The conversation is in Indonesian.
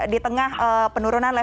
di tengah penurunan covid sembilan belas